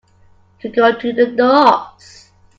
To go to the dogs.